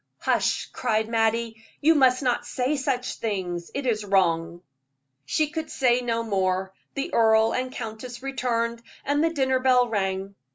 "Hush!" cried Mattie, "you must not say such things it is wrong." She could say no more; the earl and countess returned, and the dinner bell rang.